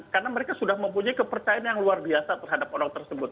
karena mereka sudah mempunyai kepercayaan yang luar biasa terhadap orang tersebut